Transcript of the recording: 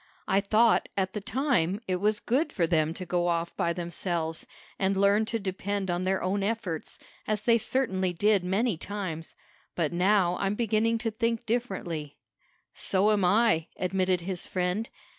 I thought, at the time, it was good for them to go off by themselves, and learn to depend on their own efforts, as they certainly did many times. But now I'm beginning to think differently." "So am I," admitted his friend.